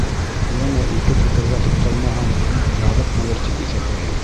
Йәнә ике фекергә туҡталмаһам, яҙыҡ булыр тип иҫәпләйем.